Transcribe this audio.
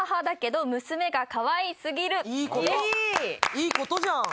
いいことじゃん。